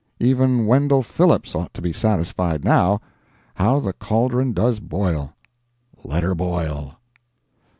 Even Wendell Phillips ought to be satisfied now. How the cauldron does boil. Let her boil.